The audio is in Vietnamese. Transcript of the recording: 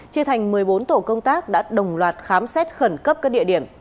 chia thành một mươi bốn tổ công tác đã đồng loạt khám xét khẩn cấp các địa điểm